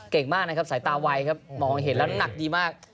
เก่งมากนะครับสายตาไวครับมองเห็นแล้วน้ำหนักดีมาก